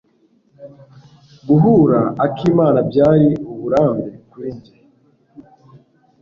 Guhura akimana byari uburambe kuri njye.